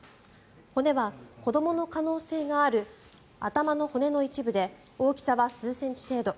骨は子どもの可能性がある頭の骨の一部で大きさは数センチ程度。